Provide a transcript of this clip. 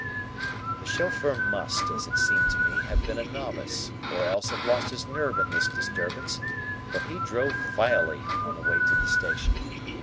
The chauffeur must, as it seemed to me, have been a novice or else have lost his nerve in this disturbance, for he drove vilely on the way to the station.